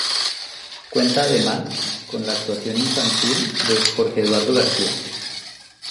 Cuenta además con la actuación infantil de Jorge Eduardo García.